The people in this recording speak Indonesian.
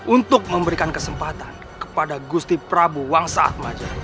untuk memberikan kesempatan kepada gusti prabu wangsaatmaja